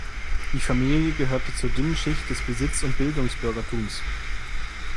Die Familie gehörte zur dünnen Schicht des Besitz- und Bildungsbürgertums.